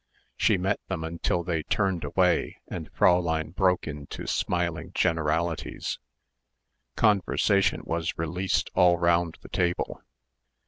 She met them until they turned away and Fräulein broke into smiling generalities. Conversation was released all round the table.